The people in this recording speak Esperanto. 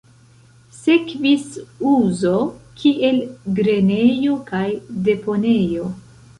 Sekvis uzo kiel grenejo kaj deponejo.